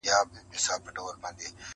سترګي دي ډکي توپنچې دي،